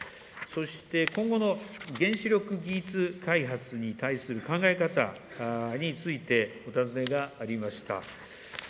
そして、今後の原子力技術開発に対する考え方についてお尋ねがありました。